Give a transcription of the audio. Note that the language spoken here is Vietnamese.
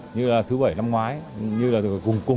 như là thứ bảy năm ngoái như là cùng tuần